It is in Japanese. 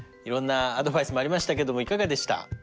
いろんなアドバイスもありましたけどもいかがでした？